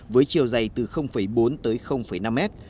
với chiều dày từ bốn tới năm mét